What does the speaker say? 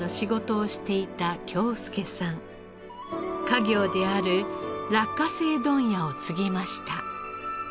家業である落花生問屋を継ぎました。